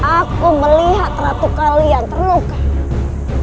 aku melihat ratu kalian terluka